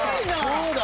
そうだ！